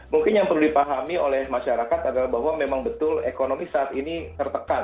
mungkin yang perlu dipahami oleh masyarakat adalah bahwa memang betul ekonomi saat ini tertekan